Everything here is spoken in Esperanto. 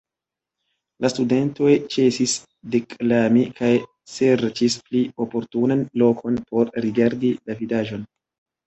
La studentoj ĉesis deklami kaj serĉis pli oportunan lokon por rigardi la vidaĵon.